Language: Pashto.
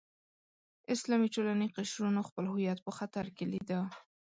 اسلامي ټولنې قشرونو خپل هویت په خطر کې لیده.